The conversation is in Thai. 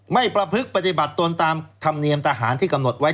ไม่ประพฤติปฏิบัติตนตามธรรมเนียมทหารที่กำหนดไว้